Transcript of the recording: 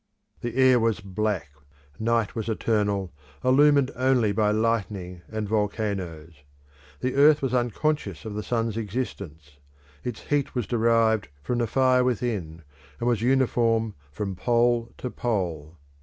The air was black, night was eternal, illumined only by lightning and volcanoes; the earth was unconscious of the sun's existence; its heat was derived from the fire within, and was uniform from pole to pole.